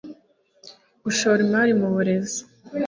gushora imari mu burezi